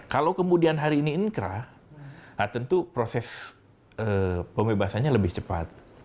kalau kemudian hari ini inkrah tentu proses pembebasannya lebih cepat